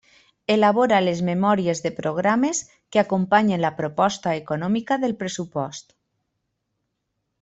Elabora les memòries de programes que acompanyen la proposta econòmica del pressupost.